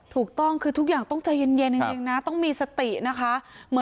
ถูกต้องคือทุกอย่างต้องใจเย็นจริงนะต้องมีสตินะคะ